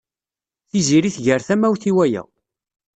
Tiziri tger tamawt i waya.